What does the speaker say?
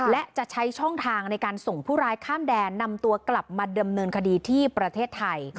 และจะใช้ช่องทางในการส่งผู้ร้ายข้ามแดนนำตัวกลับมาดำเนินคดีที่ประเทศไทย